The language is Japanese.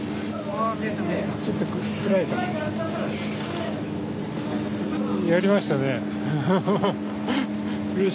ちょっと暗いかも。